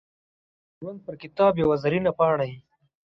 • ته د ژوند پر کتاب یوه زرینه پاڼه یې.